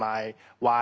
はい。